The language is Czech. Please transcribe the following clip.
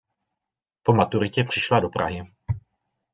Po maturitě přišla do Prahy.